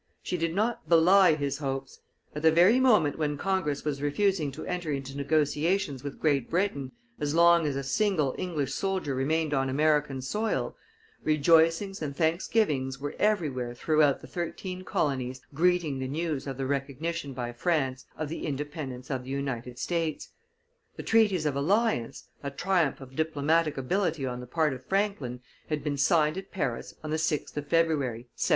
She did not belie his hopes: at the very moment when Congress was refusing to enter into negotiations with Great Britain as long as a single English soldier remained on American soil, rejoicings and thanksgivings were everywhere throughout the thirteen colonies greeting the news of the recognition by France of the Independence of the United States; the treaties of alliance, a triumph of diplomatic ability on the part of Franklin, had been signed at Paris on the 6th of February, 1778.